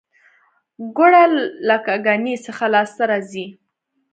ګوړه له ګني څخه لاسته راځي